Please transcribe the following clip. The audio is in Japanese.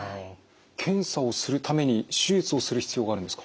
検査をするために手術をする必要があるんですか？